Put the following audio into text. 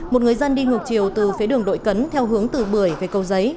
một người dân đi ngược chiều từ phía đường đội cấn theo hướng từ bưởi về cầu giấy